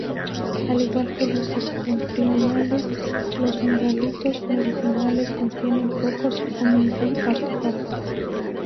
Al igual que los septentrionales, los megalitos meridionales contienen pocos o ningún artefacto.